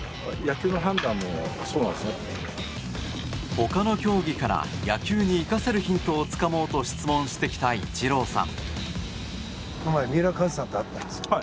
他の競技から野球に生かせるヒントをつかもうと質問してきたイチローさん。